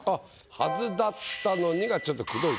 「はずだったのに」がちょっと。